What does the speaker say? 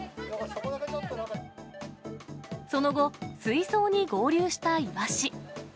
その後、水槽に合流したイワシ。